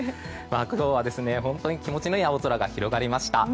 今日は本当に気持ちのいい青空が広がりました。